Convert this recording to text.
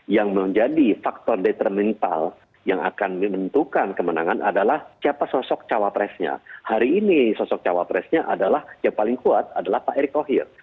yang menjadi faktor determental yang akan menentukan kemenangan adalah siapa sosok cawapresnya hari ini sosok cawapresnya adalah yang paling kuat adalah pak erick thohir